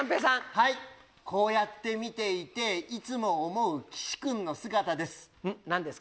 はいこうやって見ていていつも思う岸君の姿です。